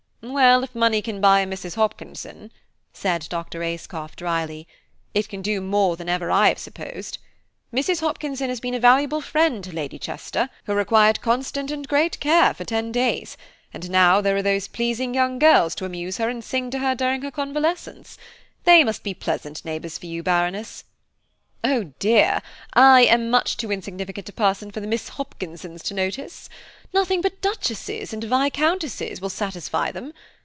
'" "Well, if money can buy a Mrs. Hopkinson," said Dr. Ayscough, dryly, "it can do more than I have ever supposed. Mrs. Hopkinson has been a valuable friend to Lady Chester, who required constant and great care for ten days; and now there are those pleasing young girls to amuse her and sing to her during her convalescence. They must be pleasant neighbours for you, Baroness." "Oh dear! I am much too insignificant a person for the Miss Hopkinsons to notice. Nothing but Duchesses and Viscountesses will satisfy them!